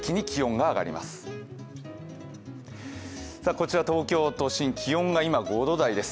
こちら東京都心気温が今、５度台です。